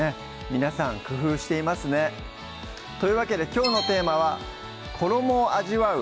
皆さん工夫していますねというわけできょうのテーマは「衣を味わう！